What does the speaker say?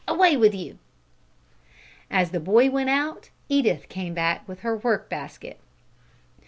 Away with you!" As the boy went out, Edith came back with her work basket.